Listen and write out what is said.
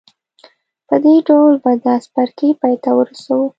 په دې ډول به دا څپرکی پای ته ورسوو